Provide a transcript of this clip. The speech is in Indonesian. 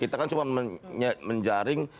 kita kan cuma menyaring